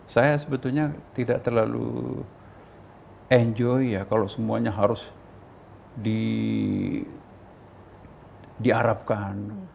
saya sebetulnya tidak terlalu enjoy ya kalau semuanya harus diharapkan